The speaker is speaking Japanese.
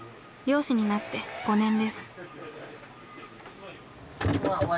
漁師になって５年です。